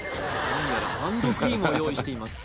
何やらハンドクリームを用意しています